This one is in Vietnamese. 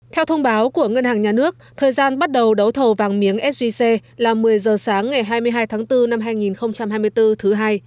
theo thông báo của ngân hàng nhà nước thời gian bắt đầu đấu thầu vàng miếng sgc là một mươi giờ sáng ngày hai mươi hai tháng bốn năm hai nghìn hai mươi bốn thứ hai